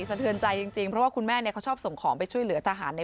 สะเทือนใจจริงเพราะว่าคุณแม่เนี่ยเขาชอบส่งของไปช่วยเหลือทหารเนี่ย